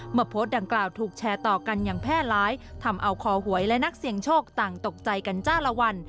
โพสต์ดังกล่าวถูกแชร์ต่อกันอย่างแพร่ร้ายทำเอาคอหวยและนักเสี่ยงโชคต่างตกใจกันจ้าละวัน